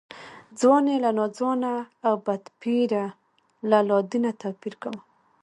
ځوان یې له ناځوانه او بدپیره له لادینه توپیر کاوه.